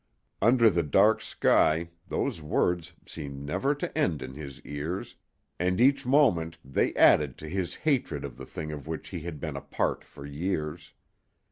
Under the dark sky those words seemed never to end in his ears, and each moment they added to his hatred of the thing of which he had been a part for years.